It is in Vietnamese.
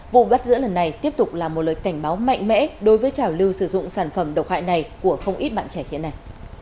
vụ bắt giữa lần này tiếp tục là một lời cảnh báo mạnh mẽ đối với trả lưu sử dụng sản phẩm độc hại này của không ít bạn trẻ khiến này